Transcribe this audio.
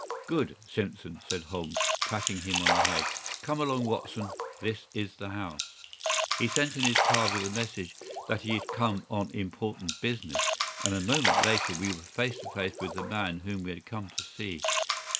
"Good, Simpson!" said Holmes, patting him on the head. "Come along, Watson. This is the house." He sent in his card with a message that he had come on important business, and a moment later we were face to face with the man whom we had come to see.